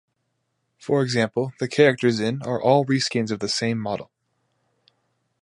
For example the characters in are all reskins of the same model.